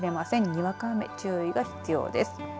にわか雨、注意が必要です。